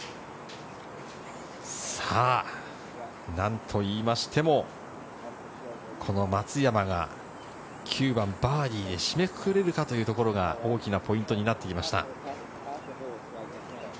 さぁなんと言いましてもこの松山が９番バーディーで締めくくれるかというところが大きなポイントになってきました。